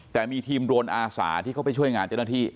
แต่มีทีมโรนอาสาที่เขาไปช่วยงานเจ้าหน้าที่